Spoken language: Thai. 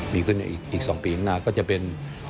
ดีขึ้นในอีก๒ปีข้างหน้าก็จะเป็น